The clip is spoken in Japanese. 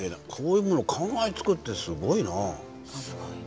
こういうものを考えつくってすごいなぁ。